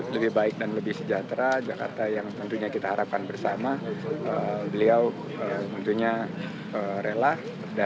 lebih manusiawi itu bagaimana programnya pak